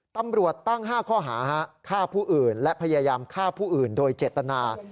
ตำรวจตั้ง๕ข้อหาฆ่าผู้อื่นและพยายามฆ่าผู้อื่นโดยเจตนา